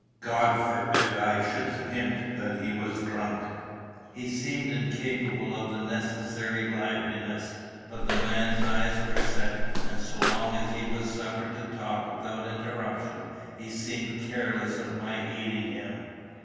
God forbid I should hint that he was drunk; he seemed incapable of the necessary liveliness; but the man's eyes were set, and so long as he was suffered to talk without interruption, he seemed careless of my heeding him.